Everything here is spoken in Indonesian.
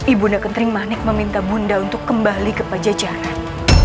ibu nekentering manik meminta bunda untuk kembali ke pajajaran